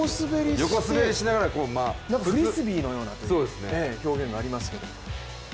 横滑りしながらフリスビーのようなという表現がありますけれども。